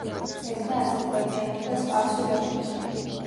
წერდა აზერბაიჯანულ და სპარსულ ენებზე.